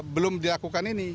belum dilakukan ini